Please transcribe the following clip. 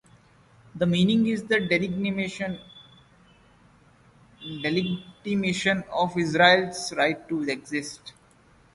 The meaning is the delegitimation of Israel's right to exist.